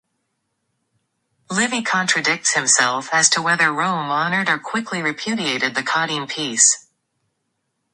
Livy contradicts himself as to whether Rome honored or quickly repudiated the Caudine Peace.